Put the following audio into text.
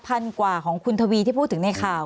พันกว่าของคุณทวีที่พูดถึงในข่าว